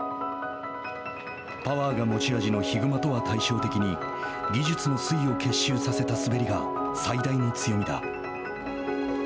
パワーが持ち味のヒグマとは対照的に技術の粋を結集させた滑りが最大の強みだ。